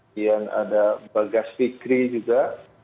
dan ada bagas fikri juga